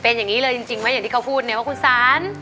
เป็นอย่างนี้เลยจริงไหมอย่างที่เขาพูดเนี่ยว่าคุณสาร